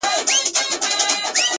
• دلته هلته له خانانو سره جوړ وو,